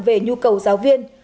về nhu cầu giáo viên